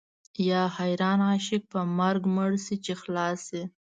یا حیران عاشق په مرګ مړ شي چې خلاص شي.